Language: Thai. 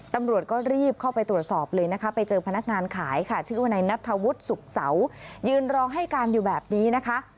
ตำรวจก็รีบเข้าไปตรวจสอบเลยนะคะไปเจอพนักงานขายค่ะชื่อวนายนัทธวุฒิสุขเสายืนรอให้การอยู่แบบนี้นะคะ